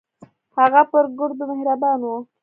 هغه پر ګردو مهربان و.